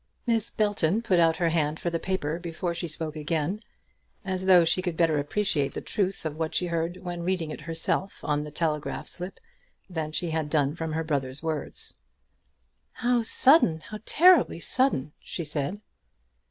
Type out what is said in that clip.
Miss Belton put out her hand for the paper before she spoke again, as though she could better appreciate the truth of what she heard when reading it herself on the telegraph slip than she had done from her brother's words. "How sudden! how terribly sudden!" she said.